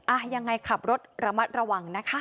ยังไงขับรถระมัดระวังนะคะ